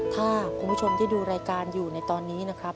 ถ้าคุณผู้ชมที่ดูรายการอยู่ในตอนนี้นะครับ